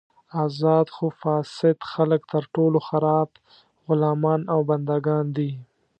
ازاد خو فاسد خلک تر ټولو خراب غلامان او بندګان دي.